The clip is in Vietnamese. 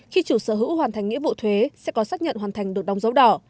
khi chủ sở hữu hoàn thành nghĩa vụ thuế sẽ có xác nhận hoàn thành được đóng dấu đỏ